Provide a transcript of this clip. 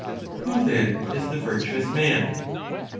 Who then is the virtuous man?